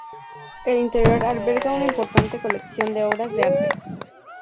El interior alberga una importante colección de obras de arte.